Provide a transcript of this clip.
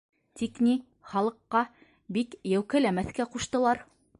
Тик ни... халыҡҡа бик йәүкәләмәҫкә ҡуштылар...